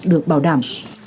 được bảo đảm